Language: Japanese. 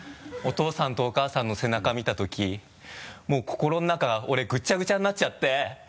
「お父さんとお母さんの背中見たときもう心の中が俺ぐっちゃぐちゃになっちゃって」